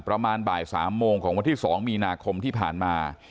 ประมาณบ่าย๓โมงของวันที่๒มีนาคมที่ผ่านมา